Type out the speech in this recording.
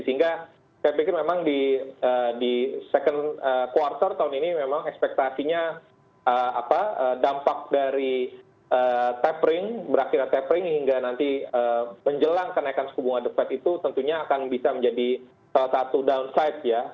sehingga saya pikir memang di second quarter tahun ini memang ekspektasinya dampak dari tapering berakhirnya tapering hingga nanti menjelang kenaikan suku bunga the fed itu tentunya akan bisa menjadi salah satu downside ya